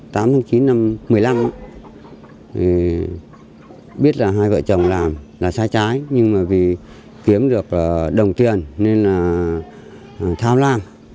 tháng tám tháng chín năm hai nghìn một mươi năm biết là hai vợ chồng làm là sai trái nhưng mà vì kiếm được đồng tiền nên là thao làm